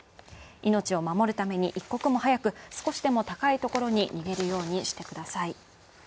命を守るために一刻も早く、少しでも高いところに逃げるようにしてください。